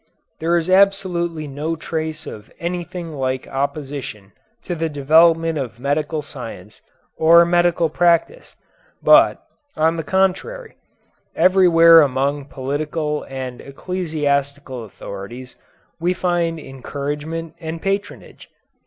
There is absolutely no trace of anything like opposition to the development of medical science or medical practice, but, on the contrary, everywhere among political and ecclesiastical authorities, we find encouragement and patronage.